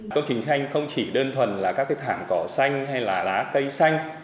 công trình xanh không chỉ đơn thuần là các thảm cỏ xanh hay là lá cây xanh